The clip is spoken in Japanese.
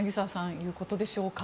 そういうことでしょうか。